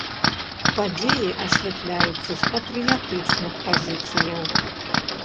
Падзеі асвятляюцца з патрыятычных пазіцыяў.